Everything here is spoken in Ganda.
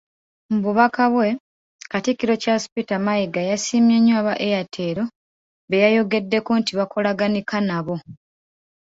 Mububaka bwe, Katikkiro Charles Peter Mayiga yasiimye nnyo aba Airtel beyayogeddeko nti bakolaganika nabo.